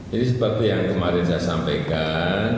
ini seperti yang kemarin saya sampaikan